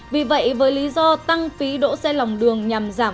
vì vậy với lý do tăng phí đỗ xe lòng đường nhằm giảm